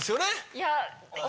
いや。